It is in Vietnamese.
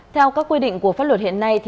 theo các quy định của pháp luật hiện nay